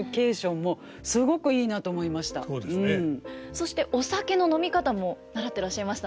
そしてお酒の飲み方も習ってらっしゃいましたね。